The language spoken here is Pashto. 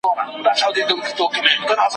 هغې وویل موږ یوې نقطې ته رسېدلي یوو.